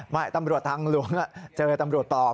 ไม่ตำรวจทางลุงเจอตำรวจตอบ